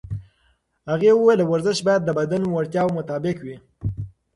هغې وویل ورزش باید د بدن د وړتیاوو مطابق وي.